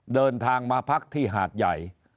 เดินทางมาพักที่หาดใหญ่